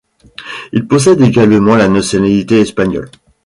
Il possède également la nationalité espagnole.